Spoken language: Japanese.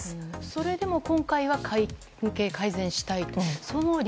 それでも今回は関係改善したいと。